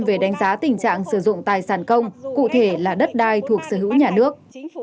về đánh giá tình trạng sử dụng tài sản công cụ thể là đất đai thuộc sở hữu nhà nước